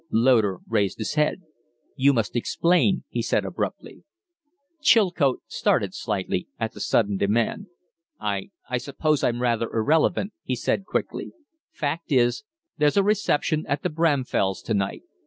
Loder raised his head. "You must explain," he said, abruptly. Chilcote started slightly at the sudden demand. "I I suppose I'm rather irrelevant," he said, quickly. "Fact is, there's a reception at the Bramfells' to night.